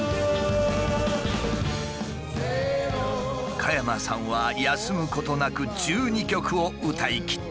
加山さんは休むことなく１２曲を歌いきった。